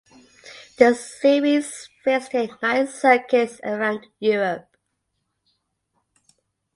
The series visited nine circuits around Europe.